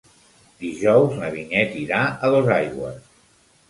Dijous na Vinyet irà a Dosaigües.